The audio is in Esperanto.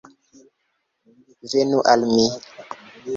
Venu al mi!